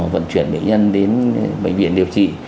vận chuyển bệnh nhân đến bệnh viện điều trị